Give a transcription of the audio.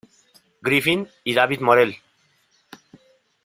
Griffin y David Morrell.